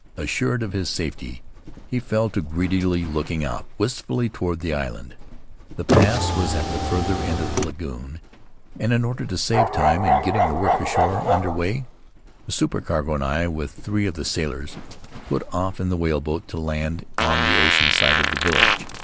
Assured of his safety, he fell to greedily, looking out wistfully toward the land. The pass was at the farther end of the lagoon, and in order to save time in getting the work ashore under way, the supercargo and I, with three of the sailors, put off in the whaleboat, to land on the ocean side of the village.